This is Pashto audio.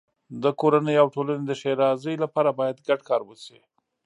د کورنۍ او ټولنې د ښېرازۍ لپاره باید ګډ کار وشي.